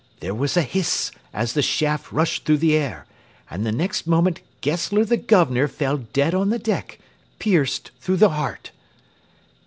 There was a hiss as the shaft rushed through the air, and the next moment Gessler the Governor fell dead on the deck, pierced through the heart.